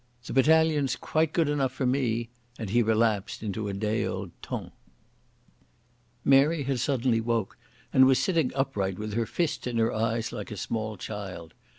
"The battalion's quite good enough for me," and he relapsed into a day old Journal. Mary had suddenly woke, and was sitting upright with her fists in her eyes like a small child.